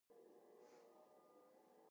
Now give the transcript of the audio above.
The most common dance rhythm is the polska.